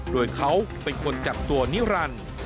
โดยเขาเป็นคนจับตัวนิรันดิ์